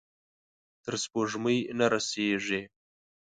تر سپوږمۍ نه رسیږې